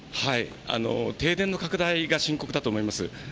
停電の拡大が深刻だと思います。